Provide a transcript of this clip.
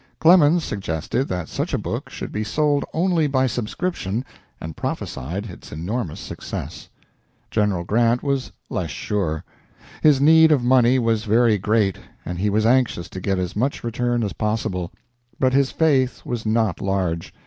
Clemens suggested that such a book should be sold only by subscription and prophesied its enormous success. General Grant was less sure. His need of money was very great and he was anxious to get as much return as possible, but his faith was not large.